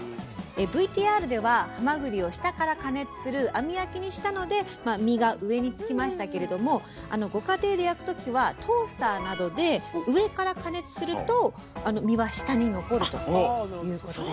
ＶＴＲではハマグリを下から加熱する網焼きにしたので身が上につきましたけれどもご家庭で焼くときはトースターなどで上から加熱すると身は下に残るということです。